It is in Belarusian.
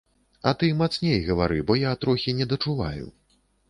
А ты мацней гавары, бо я трохі недачуваю.